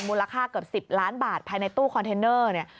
มูลค่าเกือบ๑๐ล้านบาทภายในตู้คอนเทนเนอร์เนี่ย